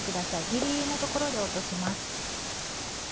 ギリギリのところで落とします。